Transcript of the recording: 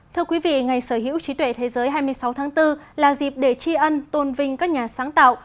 thưa quý vị ngày sở hữu trí tuệ thế giới hai mươi sáu tháng bốn là dịp để tri ân tôn vinh các nhà sáng tạo